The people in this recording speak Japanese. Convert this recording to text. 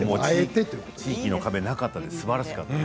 地域の壁がなかったです。